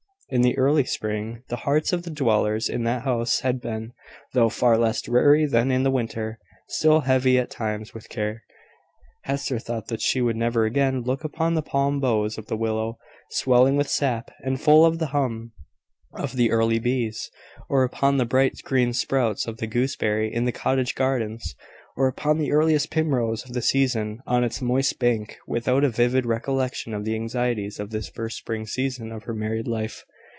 In the early spring, the hearts of the dwellers in that house had been, though far less dreary than in the winter, still heavy at times with care. Hester thought that she should never again look upon the palm boughs of the willow, swelling with sap, and full of the hum of the early bees, or upon the bright green sprouts of the gooseberry in the cottage gardens, or upon the earliest primrose of the season on its moist bank, without a vivid recollection of the anxieties of this first spring season of her married life.